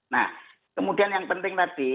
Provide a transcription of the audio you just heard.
nah kemudian yang penting tadi